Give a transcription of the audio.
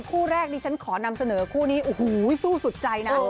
คู่แรกนี้ฉันขอนำเสนอคู่นี้สู้สุดใจนะ